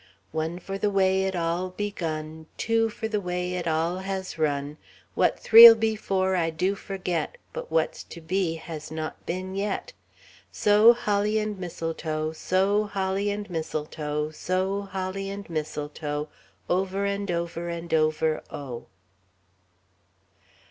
"... One for the way it all begun, Two for the way it all has run, What three'll be for I do forget, But what's to be has not been yet.... So holly and mistletoe, So holly and mistletoe, So holly and mistletoe, Over and over and over, oh."